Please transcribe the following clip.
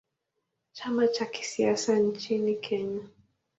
Chama cha kisiasa nchini Kenya.